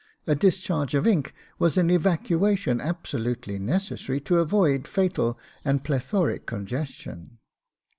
'A discharge of ink was an evacuation absolutely necessary to avoid fatal and plethoric congestion.